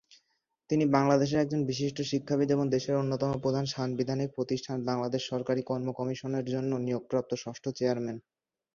তিনি বাংলাদেশের একজন বিশিষ্ট শিক্ষাবিদ এবং দেশের অন্যতম প্রধান সাংবিধানিক প্রতিষ্ঠান 'বাংলাদেশ সরকারি কর্ম কমিশন'-এর জন্য নিয়োগপ্রাপ্ত ষষ্ঠ চেয়ারম্যান।